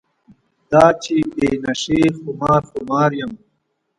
دا چې بې نشې خمار خمار یم.